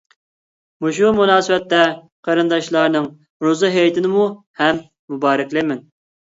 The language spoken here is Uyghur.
مۇشۇ مۇناسىۋەتتە قېرىنداشلارنىڭ روزا ھېيتىنىمۇ ھەم مۇبارەكلەيمەن!